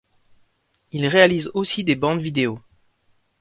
Il réalise aussi des bandes vidéos.